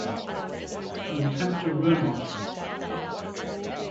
An attempt to ruin us!